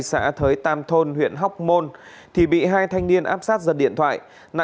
xã thới tam thôn huyện hóc môn thì bị hai thanh niên áp sát giật điện thoại